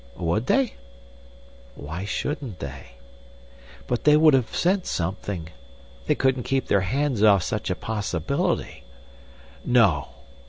Would they? Why shouldn't they? But they would have sent something—they couldn't keep their hands off such a possibility. No!